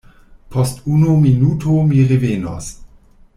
Post unu minuto mi revenos.